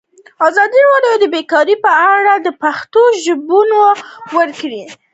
ازادي راډیو د بیکاري په اړه د پېښو رپوټونه ورکړي.